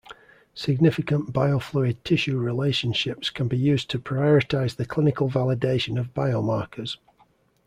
Significant biofluid-tissue relationships can be used to prioritize the clinical validation of biomarkers.